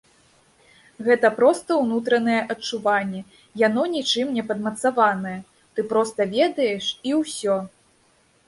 Гэта проста ўнутранае адчуванне, яно нічым не падмацаванае, ты проста ведаеш і ўсё.